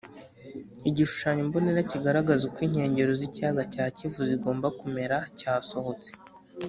Igishushanyombonera kigaragaza uko inkengero z’Ikiyaga cya Kivu zigomba kumera cyasohotse